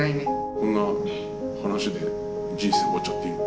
こんな話で人生終わっちゃっていいの？